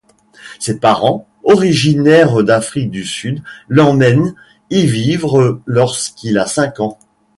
Ses parents, originaires d'Afrique du Sud, l'emmènent y vivre lorsqu'il a cinq ans.